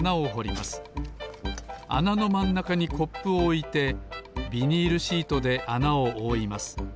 あなのまんなかにコップをおいてビニールシートであなをおおいます。